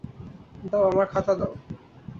দাও, আমার খাতা দাও।